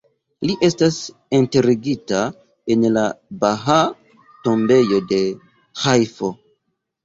Li estas enterigita en la Bahaa Tombejo de Ĥajfo.